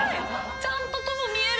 ちゃんと「と」も見える！